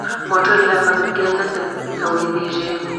موټر له فابریکې نه تولیدېږي.